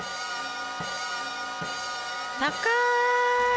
高い！